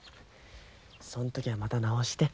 その時はまた直して。